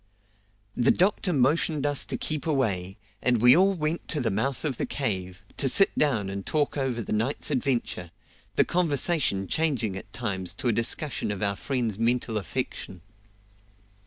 The doctor motioned us to keep away, and we all went to the mouth of the cave, to sit down and talk over the night's adventure, the conversation changing at times to a discussion of our friend's mental affection.